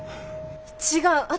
違う！